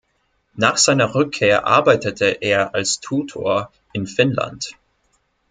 Nach seiner Rückkehr arbeitete er als Tutor in Finnland.